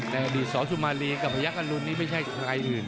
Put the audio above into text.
แน่ดีสวสุมารีกับพระยักษ์อันลุ้นนี่ไม่ใช่ใครอื่น